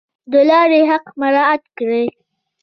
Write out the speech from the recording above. د لارې حق مراعات کړئ